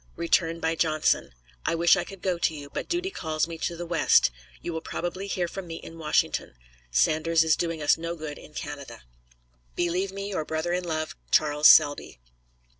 Return by Johnson. I wish I could go to you, but duty calls me to the West; you will probably hear from me in Washington. Sanders is doing us no good in Canada. Believe me, your brother in love, CHARLES SELBY.